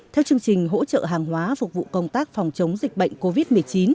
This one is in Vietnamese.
theo chương trình hỗ trợ hàng hóa phục vụ công tác phòng chống dịch bệnh covid một mươi chín